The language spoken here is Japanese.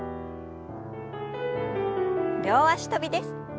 両脚跳びです。